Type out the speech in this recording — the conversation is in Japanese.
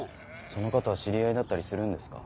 その方は知り合いだったりするんですか？